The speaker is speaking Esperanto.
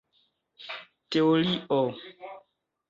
teorio